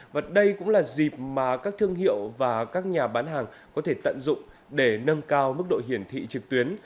và đây cũng là dịp mà các thương hiệu và các nhà bán hàng có thể tận dụng để nâng cao mức độ hiển thị trực tuyến